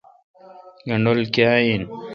گنڈول کاں این